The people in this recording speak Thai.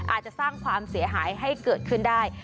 อาจจะสร้างความเสียหายให้เกิดขึ้นได้